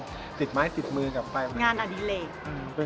ได้ติดไม้ติดมืองานอดิเวก